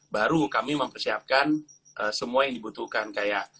baru kami mempersiapkan semua yang dibutuhkan kayak